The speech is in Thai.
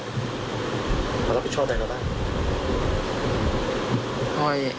ขอรับผิดชอบอะไรบ้าง